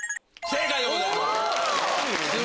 正解でございます。